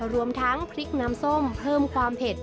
รวมทั้งพริกน้ำส้มเพิ่มความเผ็ด